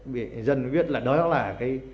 dân mới biết là đó nó là cái